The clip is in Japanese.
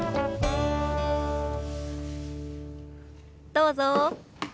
どうぞ。